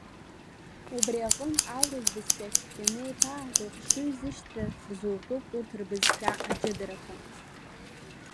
Убри аҟнытә аурыс бызшәахьтә ианеиҭааго хшыҩзышьҭра рзутәуп урҭ рбызшәа аҷыдарақәа.